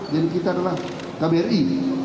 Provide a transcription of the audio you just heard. dan kita adalah kbri